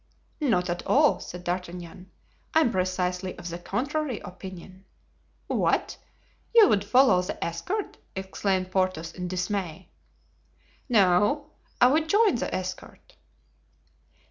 "Not at all," said D'Artagnan; "I am precisely of the contrary opinion." "What! you would follow the escort?" exclaimed Porthos, in dismay. "No, I would join the escort."